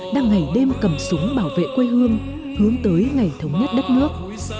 đang ngày đêm cầm súng bảo vệ quê hương hướng tới ngày thống nhất đất nước